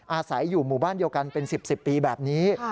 อาศัยอยู่หมู่บ้านเดียวกันเป็น๑๐ปีแบบนี้